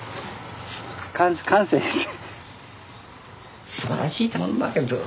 感性です。